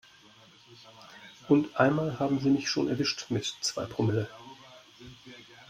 Und einmal haben sie mich schon erwischt mit zwei Promille.